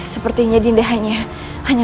sepertinya dinda hanya